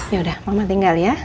yaudah mama tinggal ya